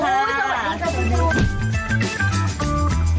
สวัสดีค่ะคุณจูศ